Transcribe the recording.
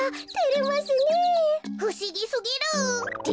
ふしぎすぎる！って